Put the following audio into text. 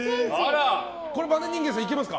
これ、バネ人間さんいけますか？